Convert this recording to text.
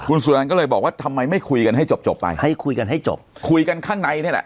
คุณสุรรณก็เลยบอกว่าทำไมไม่คุยกันให้จบจบไปให้คุยกันให้จบคุยกันข้างในนี่แหละ